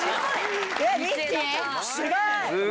すごい！